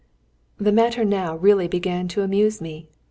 ] The matter now really began to amuse me.